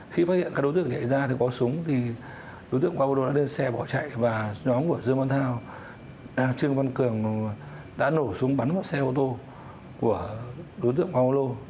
khi phát hiện các đối tượng nhảy ra thì có súng thì đối tượng quang mô lô đã lên xe bỏ chạy và nhóm của dương văn thao trương văn cường đã nổ súng bắn vào xe ô tô của đối tượng quang mô lô